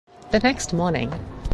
The next morning.